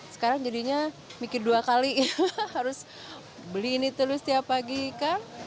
sekarang jadinya mikir dua kali harus beli ini telur setiap pagi kan